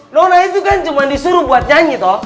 nona itu kan cuma disuruh buat nyanyi toh